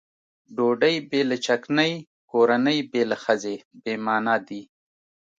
ډوډۍ بې له چکنۍ کورنۍ بې له ښځې بې معنا دي.